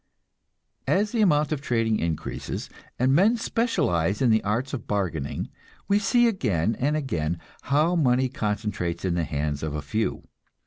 As the amount of trading increases, and men specialize in the arts of bargaining, we see again and again how money concentrates in the hands of a few.